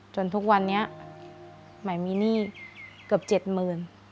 จนทุกวันนี้หมายมีหนี้เกือบ๗๐๐๐๐